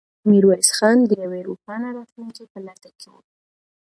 میرویس خان د یوې روښانه راتلونکې په لټه کې و.